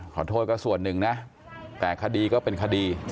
ขอโทษก็ส่วนหนึ่งนะแต่คดีก็เป็นคดี